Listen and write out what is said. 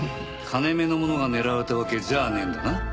金目のものが狙われたわけじゃねえんだな。